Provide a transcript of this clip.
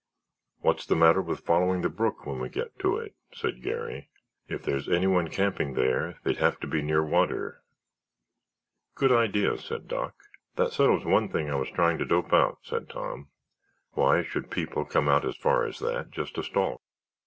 "What's the matter with following the brook when we get to it?" said Garry. "If there's anyone camping there they'd have to be near water." "Good idea," said Doc. "That settles one thing I was trying to dope out," said Tom. "Why should people come as far as that just to stalk?"